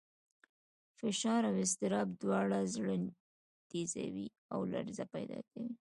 فشار او اضطراب دواړه زړه تېزوي او لړزه پیدا کوي.